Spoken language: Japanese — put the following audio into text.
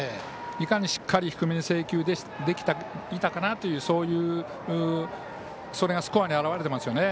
いかにしっかり低めに制球できていたかなというそれがスコアに表れていますね。